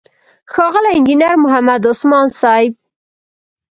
ښاغلی انجينر محمد عثمان صيب،